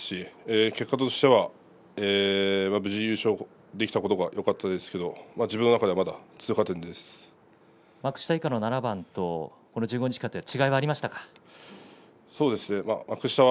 結果としては無事優勝できたことがよかったですけども幕下以下７番と１５日間と違いがありましたか？